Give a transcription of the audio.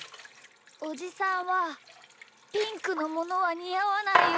おじさんはピンクのものはにあわないよ。